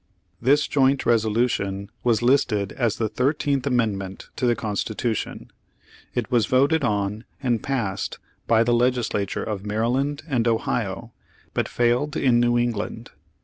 This joint resolution was listed as the Thirteen amendment to the Constitution. It was voted on and passed by the legislature of Maryland and Ohio, but failed in New England.